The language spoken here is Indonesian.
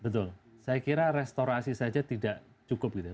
betul saya kira restorasi saja tidak cukup gitu ya